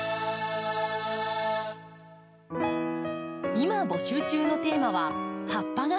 今募集中のテーマは「葉っぱがステキ！」。